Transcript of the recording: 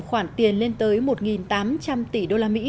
khoản tiền lên tới một tám trăm linh tỷ đô la mỹ